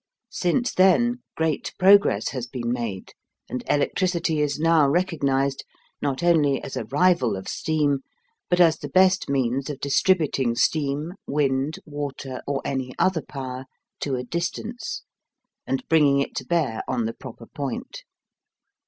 Since then great progress has been made, and electricity is now recognised, not only as a rival of steam, but as the best means of distributing steam, wind, water, or any other power to a distance, and bringing it to bear on the proper point.